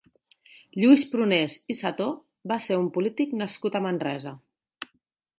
Lluís Prunés i Sató va ser un polític nascut a Manresa.